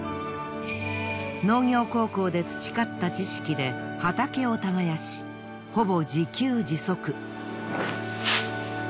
農業高校で培った知識で畑を耕しほぼ自給自足。